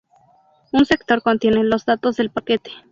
Un sector contiene los datos del paquete.